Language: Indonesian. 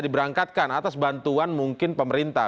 diberangkatkan atas bantuan mungkin pemerintah